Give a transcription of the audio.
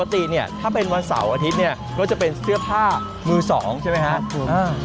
ปกติเนี่ยถ้าเป็นวันเสาร์อาทิตย์เนี่ยก็จะเป็นเสื้อผ้ามือสองใช่ไหมครับคุณ